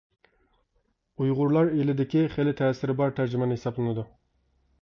ئۇيغۇرلار ئىدىكى خىلى تەسىرى بار تەرجىمان ھېسابلىنىدۇ.